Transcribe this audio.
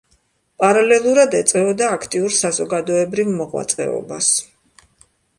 პარალელურად ეწეოდა აქტიურ საზოგადოებრივ მოღვაწეობას.